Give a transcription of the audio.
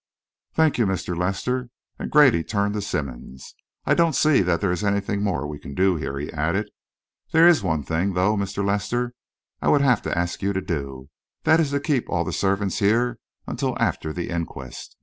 "Thank you, Mr. Lester," and Grady turned to Simmonds. "I don't see that there is anything more we can do here," he added. "There's one thing, though, Mr. Lester, I will have to ask you to do. That is to keep all the servants here until after the inquest.